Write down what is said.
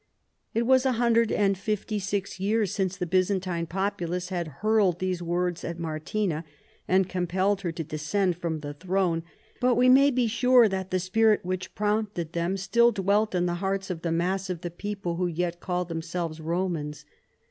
It was a hundred and fifty six years since the Byzantine populace had hurled these words at Martina and compelled her to descend from the throne, but we may be sure that the spirit which prompted them still dwelt in the hearts of the mass of the people who yet called them selves Romans.